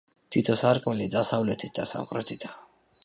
თითო სარკმელი დასავლეთით და სამხრეთითაა.